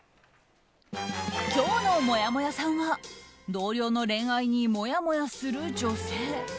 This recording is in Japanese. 今日のもやもやさんは同僚の恋愛にもやもやする女性。